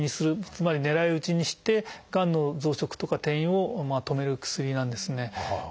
つまり狙い撃ちにしてがんの増殖とか転移を止める薬なんですね。